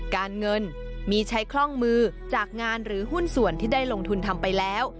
การเงินมีใช้คล่องมือจากงานหรือหุ้นส่วนที่ได้ลงทุนทำไปแล้ว